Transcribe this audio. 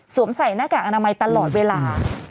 ใส่หน้ากากอนามัยตลอดเวลา